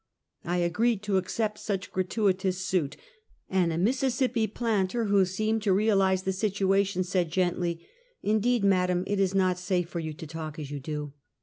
I agreed to accept such gratuitous suit, and a Mis sissippi planter, who seemed to realize the situation, said gently :" Indeed, madam, it is not safe for you to talk as you do."